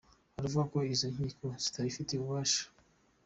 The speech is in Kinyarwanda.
Aravuga ko izo nkiko zitabifitiye ububasha.